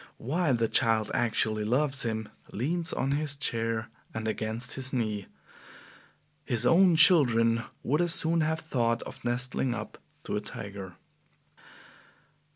Why, the child actually loves him leans on his chair and against his knee. His own children would as soon have thought of nestling up to a tiger."